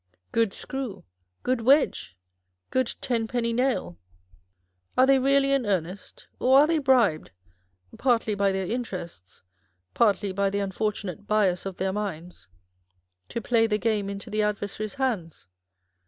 Good screw ! good wedge ! good tenpenny nail ! Are they really in earnest, or are they bribed, partly by their interests, partly by the unfortunate bias of their minds, to play the game into the adversary's hands